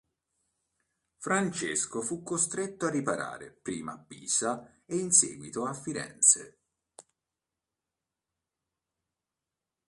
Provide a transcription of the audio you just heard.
Francesco fu costretto a riparare prima a Pisa e in seguito a Firenze.